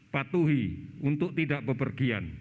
patuhi untuk tidak bepergian